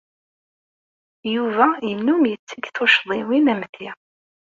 Yuba yennum yetteg tuccḍiwin am ti.